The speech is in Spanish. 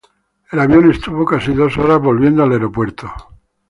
El avión estuvo casi dos horas volviendo al aeropuerto.